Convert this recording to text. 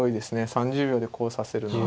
３０秒でこう指せるのは。